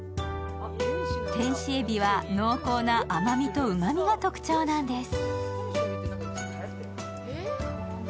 天使エビは濃厚な甘みとうまみが特徴なんです。